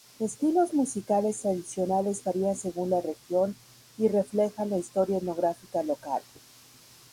Estilos musicales tradicionales varían según la región y reflejan la historia etnográfica local.